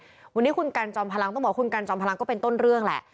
วันนี้คุณกันจอมพลังต้องบอกว่าคุณกันจอมพลังก็เป็นต้นเรื่องแหละ